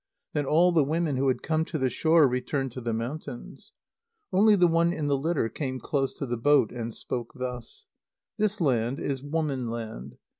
Then all the women who had come to the shore returned to the mountains. Only the one in the litter came close to the boat, and spoke thus: "This land is woman land.